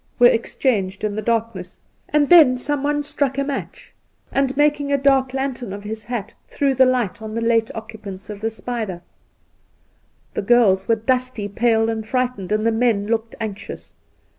were exchanged in the darkness ; and then someone struck a match, and, making a dark 104 Induna Nairn lantern of his hat, threw the light on the late occupants of the spider. The girls were dusty, pale, and frightened, and the men looked anxious.